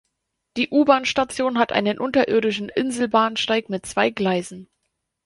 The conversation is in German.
Die U-Bahn-Station hat einen unterirdischen Inselbahnsteig mit zwei Gleisen.